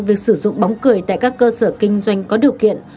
việc sử dụng bóng cười tại các cơ sở kinh doanh có điều kiện